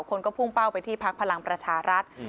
คนก็พุ่งเป้าไปที่พักพลังประชารัฐ